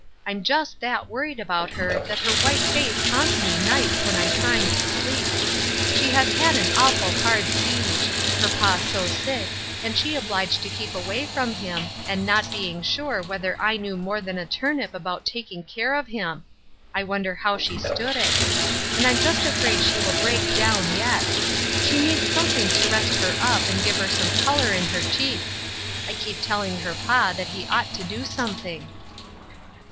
I'm just that worried about her that her white face haunts me "ights when I'm trying to sleep. She has 240 Ruth Erskhie^s CroB^es. had an awful hard siege ; her pa so sick, and she obliged to keep away from him, and not being sure whether I knew more than a turnip about taking care of him — I wonder how she stood it. And I'm just afraid she will break down yet. She needs something to rest her up and give her some color in her cheeks. I keep telling her pa that he ought to do something."